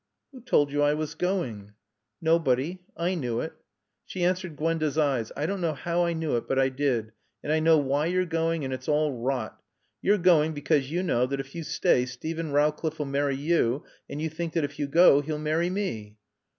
"Who told you I was going?" "Nobody. I knew it." She answered Gwenda's eyes. "I don't know how I knew it, but I did. And I know why you're going and it's all rot. You're going because you know that if you stay Steven Rowcliffe'll marry you, and you think that if you go he'll marry me."